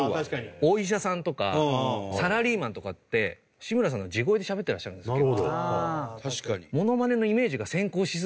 お医者さんとかサラリーマンとかって志村さんの地声でしゃべってらっしゃるんですよ。